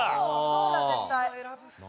そうだ絶対。